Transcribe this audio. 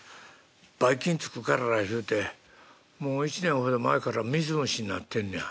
バイ菌付くからいうてもう１年ほど前から水虫になってんのや。